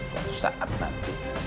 suatu saat nanti